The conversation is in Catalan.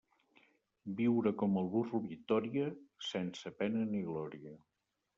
Viure com el burro Vitòria, sense pena ni glòria.